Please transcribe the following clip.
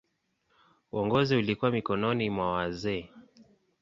Uongozi ulikuwa mikononi mwa wazee.